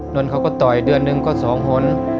นนทเขาก็ต่อยเดือนหนึ่งก็๒หน